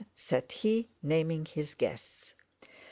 said he, naming his guests.